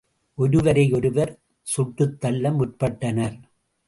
ஒருவரையொருவர் சுட்டுத்தள்ள முற்பட்டனர்.